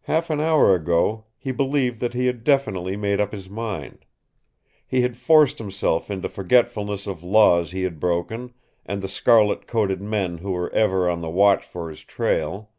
Half an hour ago he believed that he had definitely made up his mind. He had forced himself into forgetfulness of laws he had broken, and the scarlet coated men who were ever on the watch for his trail.